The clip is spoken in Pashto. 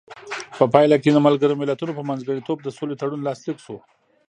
په پایله کې د ملګرو ملتونو په منځګړیتوب د سولې تړون لاسلیک شو.